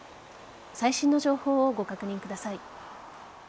最新の情報をご確認ください。